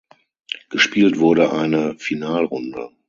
Gespielt wurde eine Finalrunde.